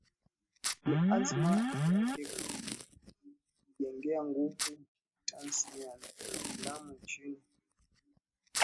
Ni azma yake kuijengea nguvu tasnia ya Filamu Nchini